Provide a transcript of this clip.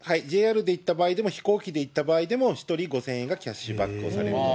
ＪＲで行った場合でも、飛行機で行った場合でも、１人５０００円がキャッシュバックをされると。